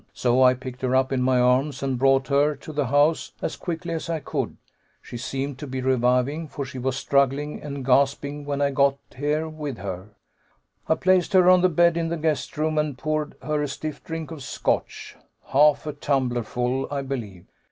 So I picked her up in my arms and brought her to the house as quickly as I could. She seemed to be reviving, for she was struggling and gasping when I got here with her. "I placed her on the bed in the guest room and poured her a stiff drink of Scotch half a tumblerful, I believe.